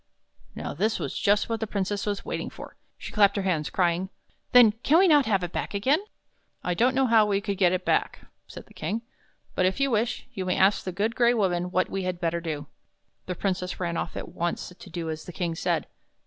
Now this was just what the Princess was waiting for. She clapped her hands, crying: " Then can we not have it back again? " 45 THE BROOK IN THE KING'S GARDEN " I don't know how we could get it back," said the King. ''But if you wish, you may ask the Good Gray Woman what we had better do." The Princess ran off at once to do as the King said.